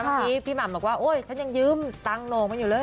เมื่อกี้พี่หม่ำบอกว่าโอ๊ยฉันยังยืมตังค์โนมันอยู่เลย